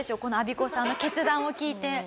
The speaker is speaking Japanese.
このアビコさんの決断を聞いて。